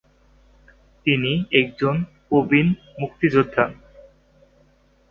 তিনি একজন প্রবীণ মুক্তিযোদ্ধা।